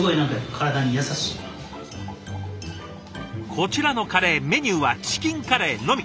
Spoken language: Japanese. こちらのカレーメニューはチキンカレーのみ。